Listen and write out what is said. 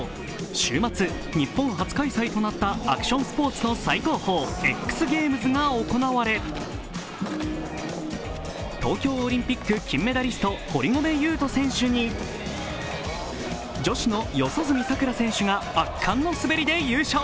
週末、日本初開催となったアクションスポーツの最高峰、ＸＧａｍｅｓが行われ、東京オリンピック金メダリスト堀米雄斗選手に女子の四十住さくら選手が圧巻の滑りで優勝。